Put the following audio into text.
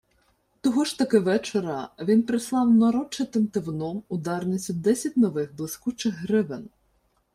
Того ж таки вечора він прислав нарочитим тивуном у Дарницю десять нових блискучих гривен.